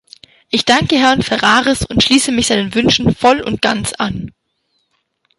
Ich danke Herrn Ferraris und schließe mich seinen Wünschen voll und ganz an.